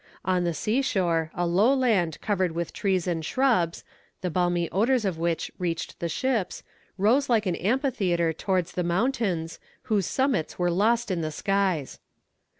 On the sea shore, a low land covered with trees and shrubs, the balmy odours of which reached the ships, rose like an amphitheatre towards the mountains, whose summits were lost in the skies.